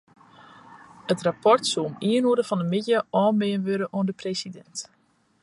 It rapport soe om ien oere fan 'e middei oanbean wurde oan de presidint.